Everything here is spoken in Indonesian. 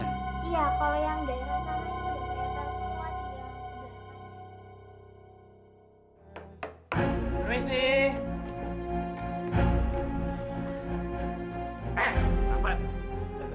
kamu udah paham semuanya